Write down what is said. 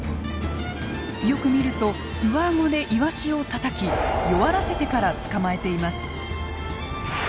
よく見ると上顎でイワシをたたき弱らせてから捕まえています。